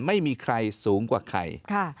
ไม่มีใครสูงกว่าใคร